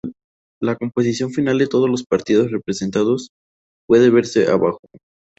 La composición final de todos los partidos representados puede verse abajo.